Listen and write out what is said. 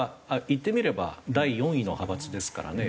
言ってみれば第４位の派閥ですからね。